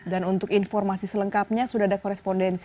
dan untuk informasi selengkapnya sudah ada korespondensi